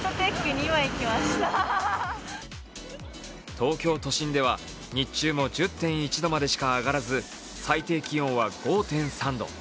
東京都心では日中も１０．１度までしか上がらず、最低気温は５．３度。